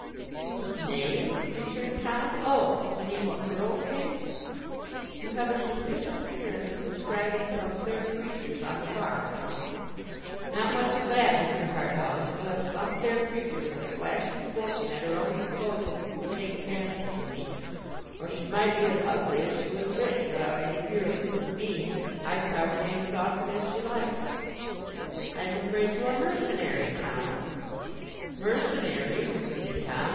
'Whose name?' returned Tom. 'Oh! You mean what girl's name?' 'You have a suspicious appearance of inscribing some fair creature's on the bark, Tom.' [Picture: Mr. Harthouse and Tom Gradgrind in the garden] 'Not much of that, Mr. Harthouse, unless some fair creature with a slashing fortune at her own disposal would take a fancy to me. Or she might be as ugly as she was rich, without any fear of losing me. I'd carve her name as often as she liked.' 'I am afraid you are mercenary, Tom.' 'Mercenary,' repeated Tom.